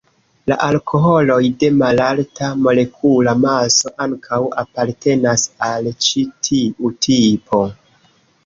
La alkoholoj de malalta molekula maso ankaŭ apartenas al ĉi tiu tipo.